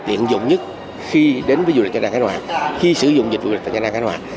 tiện dụng nhất khi đến với du lịch nha trang khánh hòa khi sử dụng dịch vụ dịch vụ nha trang khánh hòa